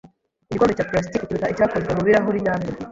Igikombe cya plastiki kiruta icyakozwe mubirahuri nyabyo.